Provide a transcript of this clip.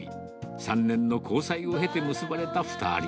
３年の交際を経て結ばれた２人。